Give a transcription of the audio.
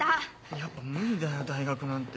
やっぱ無理だよ大学なんて。